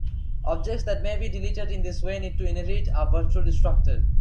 Objects that may be deleted in this way need to inherit a virtual destructor.